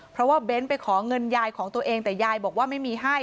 เพราะว่าเบ้นไปขอเงินยายของตัวเองแต่ยายบอกว่าไม่มีให้